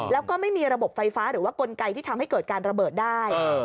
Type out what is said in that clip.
แล้วก็ไม่มีระบบไฟฟ้าหรือว่ากลไกที่ทำให้เกิดการระเบิดได้